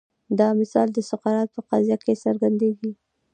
دا مثال د سقراط په قضیه کې څرګند دی.